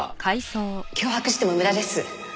脅迫しても無駄です。